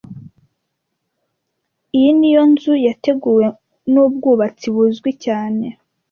Iyi niyo nzu yateguwe nubwubatsi buzwi cyane